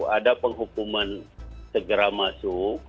ada penghukuman segera masuk